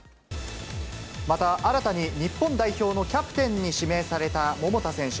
また新たに日本代表のキャプテンに指名された桃田選手。